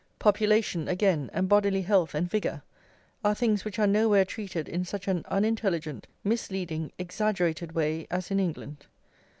Population, again, and bodily health and vigour, are things which are nowhere treated in such an unintelligent, misleading, exaggerated way as in England.